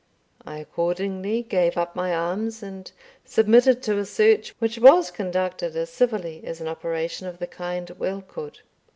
I accordingly gave up my arms, and submitted to a search, which was conducted as civilly as an operation of the kind well could.